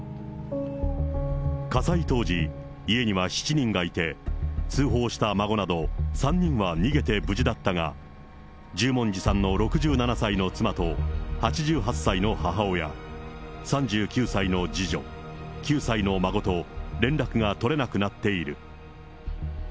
火災当時、家には７人がいて、通報した孫など３人は逃げて無事だったが、十文字さんの６７歳の妻と８８歳の母親、３９歳の次女、９歳の孫と連絡が取れなくなっている。